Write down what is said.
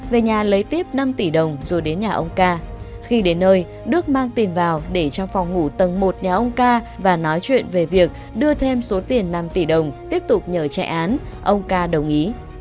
về nhà lấy tiếp năm tỷ đồng rồi đến nhà ông ca khi đến nơi đức mang tiền vào để trong phòng ngủ tầng một nhà ông ca và nói chuyện về việc đưa thêm số tiền năm tỷ đồng tiếp tục nhờ chạy án ông ca đồng ý